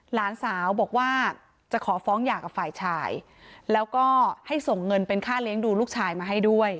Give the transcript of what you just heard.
หลานสาวบอกว่าจะขอฟ้องหย่ากับฝ่ายชายแล้วก็ให้ส่งเงินเป็นค่าเลี้ยงดูลูกชายมาให้ด้วย